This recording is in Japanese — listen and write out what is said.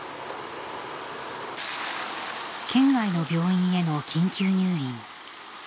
県外の病院への緊急入院